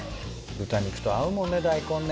豚肉と合うもんね大根ね。